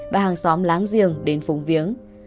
và hàng xóm láng giềng đến phùng viếng